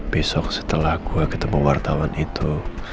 besok setelah gue ketemu wartawan itu